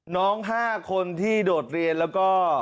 น้อง๕คนที่โดดเรียนแล้วก็